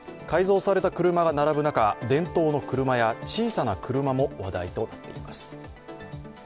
改造された車が並ぶ中伝統の車や小さな車も話題となっています。